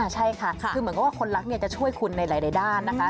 ใช่ค่ะคือเหมือนกับว่าคนรักจะช่วยคุณในหลายด้านนะคะ